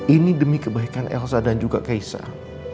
ini demi kebaikan elsa dan juga kaisar